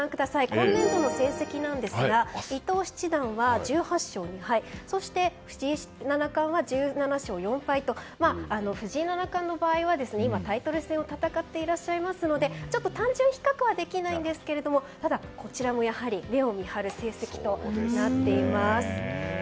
今年度の成績ですが伊藤七段は１８勝２敗そして、藤井七冠は１７勝４敗と藤井七冠の場合は今タイトル戦を戦っていますので単純比較はできないんですがただ、こちらも目を見張る成績となっています。